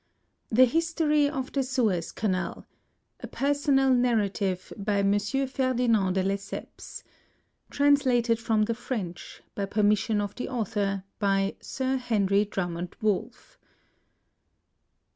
, THE HISTOKY OF THE SUEZ CANAL A PERSONAL NARRATIVE BY MONSIEUR FERDINAND DE LESSEPS G. C. S. I. TRANSLATED FROM THE FRENCH, BY PERMISSION OF THE AUTHOR, BY SIR HENRY DRUMMOND WOLFF K. C. M.